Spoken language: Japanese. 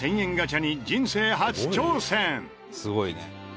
すごいね。